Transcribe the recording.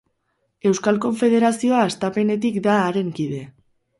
Euskal Konfederazioa hastapenetik da haren kide.